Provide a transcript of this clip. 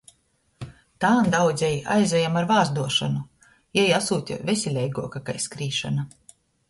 Tān daudzeji aizajam ar vāzduošonu, jei asūte veseleiguoka kai skrīšona.